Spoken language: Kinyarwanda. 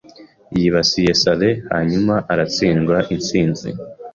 yibasiye salle hanyuma aratsindwa Intsinzi